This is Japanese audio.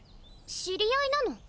知り合いなの？